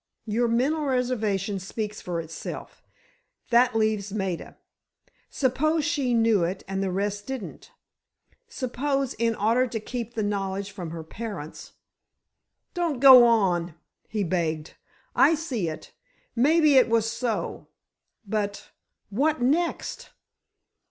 "Your mental reservation speaks for itself! That leaves Maida! Suppose she knew it and the rest didn't. Suppose, in order to keep the knowledge from her parents——" "Don't go on!" he begged. "I see it—maybe it was so. But—what next?"